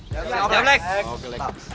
siap siap siap